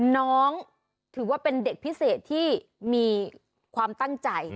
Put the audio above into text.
น้องถือว่าเป็นเด็กพิเศษที่มีความตั้งใจ